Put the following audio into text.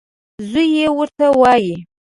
زوی یې ورته وايي .